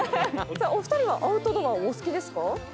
お二人はアウトドアお好きですか？